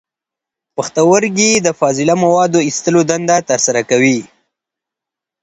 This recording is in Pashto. پښتورګي د فاضله موادو د ایستلو دنده ترسره کوي.